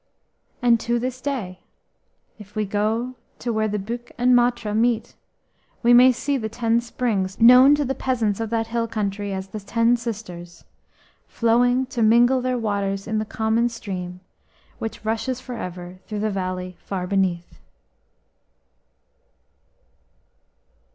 And to this day, if we go to where the Bükk and Mátra meet, we may see the ten springs known to the peasants of that hill country as "The Ten Sisters," flowing to mingle their waters in the common stream which rushes for ever through the valley far beneath.